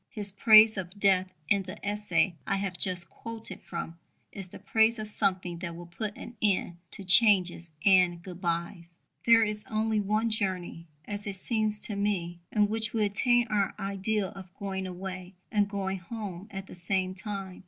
His praise of death in the essay I have just quoted from is the praise of something that will put an end to changes and goodbyes There is only one journey, as it seems to me ... in which we attain our ideal of going away and going home at the same time.